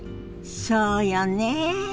そうよね。